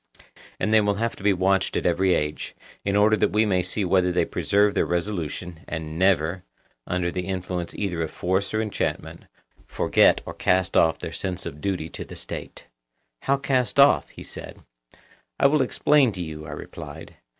And they will have to be watched at every age, in order that we may see whether they preserve their resolution, and never, under the influence either of force or enchantment, forget or cast off their sense of duty to the State. How cast off? he said. I will explain to you, I replied.